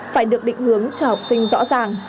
phải được định hướng cho học sinh rõ ràng